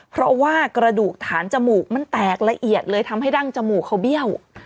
เพราะว่ากระดูกฐานจมูกมันแตกละเอียดเลยทำให้ดั้งจมูกเขาเบี้ยว